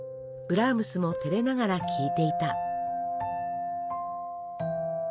ブラームスも照れながら聞いていた」。